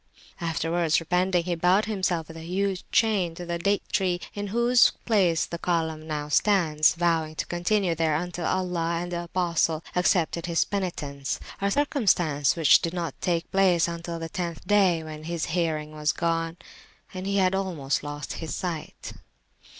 Afterwards repenting, he bound himself with a huge chain to the date tree in whose place the column now stands, vowing to continue there until Allah and the Apostle accepted his penitence a circumstance which did not take place till the tenth day, when his hearing was gone and he had almost lost his sight.